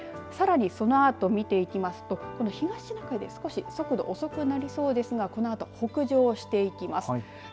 さらに、そのあと見ていきますと東シナ海に少し速度遅くなりそうですがこのあと北上していきます。